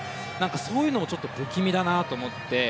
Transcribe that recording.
そういうのを不気味だなと思って。